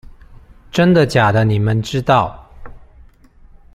真的假的你們知道